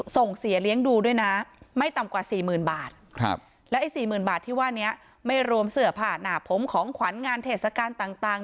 ส่งเสียเลี้ยงดูด้วยนะไม่ต่ำกว่า๔๐๐๐บาทและไอ้๔๐๐๐บาทที่ว่านี้ไม่รวมเสื้อผ้าหน้าผมของขวัญงานเทศกาลต่าง